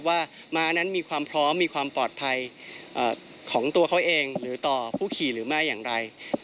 ม้านั้นมีความพร้อมมีความปลอดภัยของตัวเขาเองหรือต่อผู้ขี่หรือไม่อย่างไร